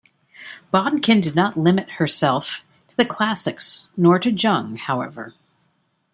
Bodkin did not limit herself to the classics nor to Jung, however.